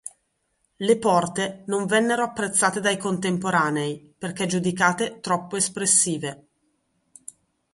Le porte non vennero apprezzate dai contemporanei perché giudicate troppo espressive.